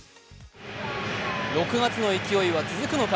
６月の勢いは続くのか。